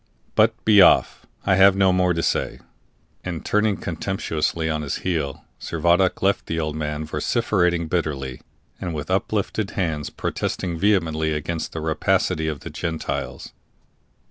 But be off! I have no more to say." And, turning contemptuously on his heel, Servadac left the old man vociferating bitterly, and with uplifted hands protesting vehemently against the rapacity of the Gentiles.